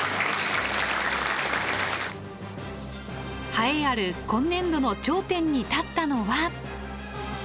栄えある今年度の頂点に立ったのは。